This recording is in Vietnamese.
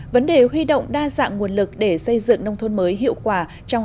vấn đề huy động đa dạng nguồn lực để xây dựng nông thôn mới hiệu quả